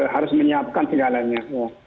harus menyiapkan segalanya